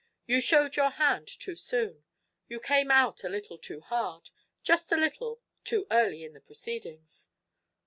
You showed your hand too soon. You came out a little to hard, just a little, too early in the proceedings.